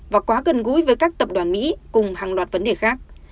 và quá gần gũi với các tập đoàn mỹ cùng hàng loạt vấn đề khác